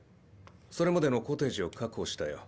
それまでのコテージを確保したよ。